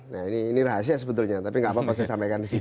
nah ini rahasia sebetulnya tapi nggak apa apa saya sampaikan di sini